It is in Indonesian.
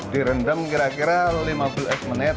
direndam kira kira lima belas menit